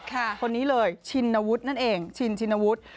คนนี้เลยชินวุฒินั่นเองชินชินวุฒิ